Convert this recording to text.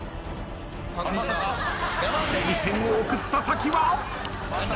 視線を送った先は。